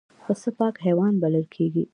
پسه پاک حیوان بلل کېږي.